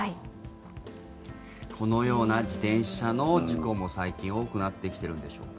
このような自転車の事故も最近、多くなってきているんでしょうか。